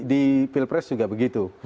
di pilpres juga begitu